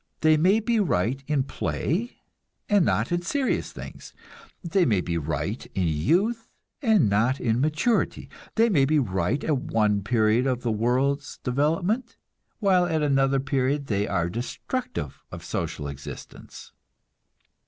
They may be right in play, and not in serious things; they may be right in youth, and not in maturity; they may be right at one period of the world's development, while at another period they are destructive of social existence.